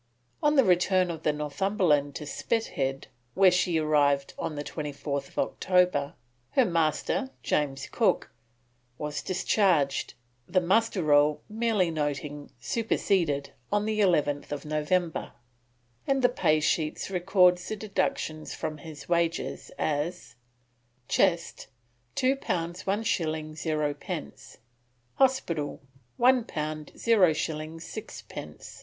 On the return of the Northumberland to Spithead, where she arrived on 24th October, her Master, James Cook, was discharged, the Muster Roll merely noting "superseded" on 11th November, and the pay sheet records the deductions from his wages as: "Chest, 2 pounds 1 shilling 0 pence; Hospital, 1 pound 0 shillings 6 pence.